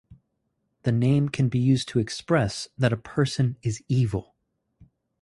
The name can be used to express that a person is evil.